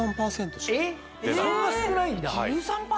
そんな少ないんだ。